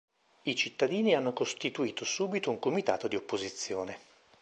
I cittadini hanno costituito subito un comitato di opposizione.